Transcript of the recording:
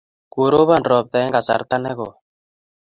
Karobon ropta eng' kasarta ne koi.